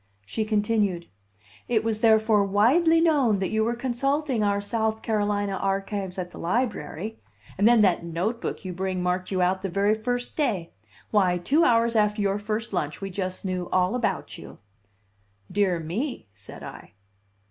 She continued. "It was therefore widely known that you were consulting our South Carolina archives at the library and then that notebook you bring marked you out the very first day. Why, two hours after your first lunch we just knew all about you!" "Dear me!" said I.